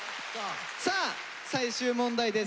さあ最終問題です。